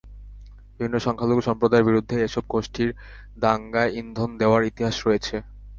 বিভিন্ন সংখ্যালঘু সম্প্রদায়ের বিরুদ্ধে এসব গোষ্ঠীর দাঙ্গায় ইন্ধন দেওয়ার ইতিহাস রয়েছে।